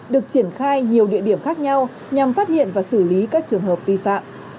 được triển khai nhiều địa điểm khác nhau nhằm phát hiện và xử lý các trường hợp vi phạm